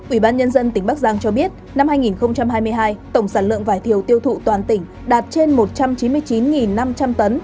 ủy ban nhân dân tỉnh bắc giang cho biết năm hai nghìn hai mươi hai tổng sản lượng vải thiều tiêu thụ toàn tỉnh đạt trên một trăm chín mươi chín năm trăm linh tấn